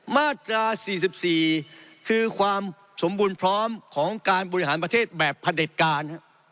มาตรา๔๔คือความสมบูรณ์พร้อมของการบริหารประเทศแบบผลิตการ